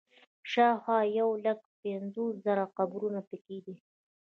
شاوخوا یو لک پنځوس زره قبرونه په کې دي.